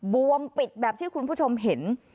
บวมปิดแบบที่คุณผู้ชมเห็น